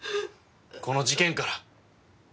この事件から。